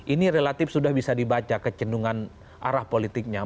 ini relatif sudah bisa dibaca kecendungan arah politiknya